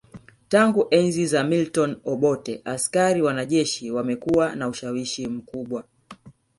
Tangu enzi za Milton Obote askari wanajeshi wamekuwa na ushawishi mkubwa